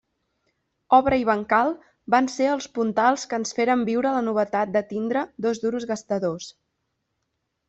Obra i bancal van ser els puntals que ens feren viure la novetat de tindre dos duros gastadors.